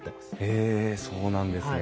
へえそうなんですね。